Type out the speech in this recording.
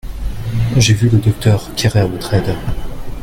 J'ai vu le docteur Keraotred.